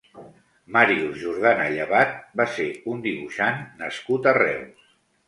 Màrius Jordana Llevat va ser un dibuixant nascut a Reus.